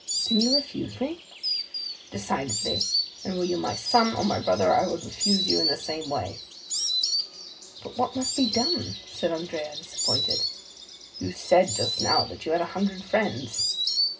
"Then you refuse me?" "Decidedly; and were you my son or my brother I would refuse you in the same way." "But what must be done?" said Andrea, disappointed. "You said just now that you had a hundred friends."